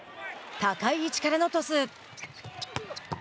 高い位置からのトス。